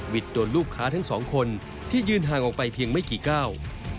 โดนลูกค้าทั้งสองคนที่ยืนห่างออกไปเพียงไม่กี่ก้าว